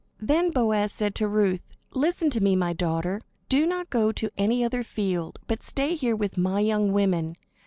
Then Boaz said to Ruth: "Listen to me, my daughter. Do not go to any other field, but stay here with my young women.